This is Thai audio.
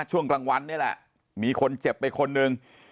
ช่วงกลางวันนี่แหละมีคนเจ็บไปคนหนึ่ง